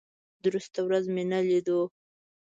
درسته ورځ مې نه لیدو.